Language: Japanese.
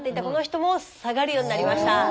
この人も下がるようになりました。